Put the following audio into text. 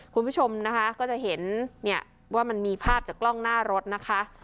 คุณผู้ชมนะคะก็จะเห็นเนี่ยว่ามันมีภาพจากกล้องหน้ารถนะคะ